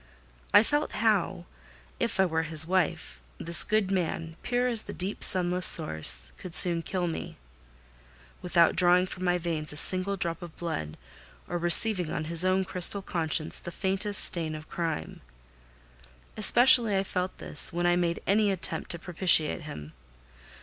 I felt how—if I were his wife, this good man, pure as the deep sunless source, could soon kill me, without drawing from my veins a single drop of blood, or receiving on his own crystal conscience the faintest stain of crime. Especially I felt this when I made any attempt to propitiate him.